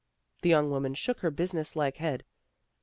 The young woman shook her business like head.